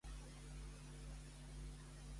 Quan va exercir de diputada al Parlament de Catalunya?